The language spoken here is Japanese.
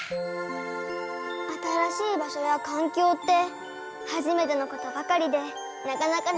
新しい場しょやかんきょうってはじめてのことばかりでなかなかなじめないよね。